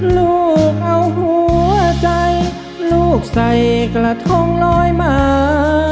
ลูกเอาหัวใจลูกใส่กระทงลอยมา